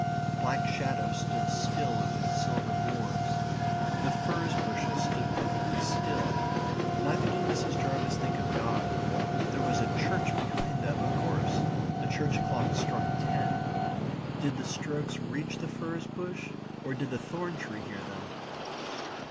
Black shadows stood still over the silver moors. The furze bushes stood perfectly still. Neither did Mrs. Jarvis think of God. There was a church behind them, of course. The church clock struck ten. Did the strokes reach the furze bush, or did the thorn tree hear them?